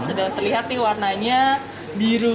sudah terlihat nih warnanya biru